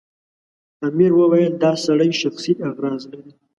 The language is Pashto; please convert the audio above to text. امیر وویل دا سړی شخصي اغراض لري.